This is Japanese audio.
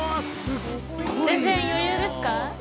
全然余裕ですか。